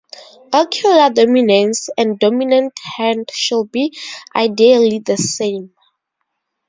Ocular dominance and dominant hand should be ideally the same.